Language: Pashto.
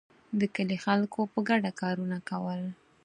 د کلي خلکو په ګډه کارونه کول.